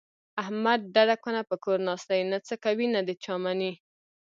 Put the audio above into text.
احمد ډډه کونه په کور ناست دی، نه څه کوي نه د چا مني.